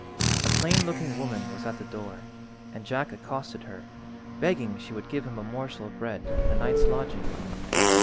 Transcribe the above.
A plain–looking woman was at the door, and Jack accosted her, begging she would give him a morsel of bread and a night's lodging.